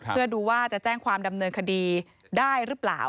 เพื่อดูว่าจะแจ้งความดำเนินคดีได้หรือเปล่า